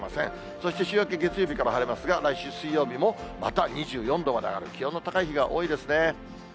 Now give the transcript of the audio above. そして、週明け月曜日から晴れますが、来週水曜日もまた２４度まで上がる、気温の高い日が多いですね。